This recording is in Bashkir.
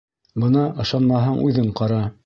Бына, ышанмаһаң, үҙең ҡара.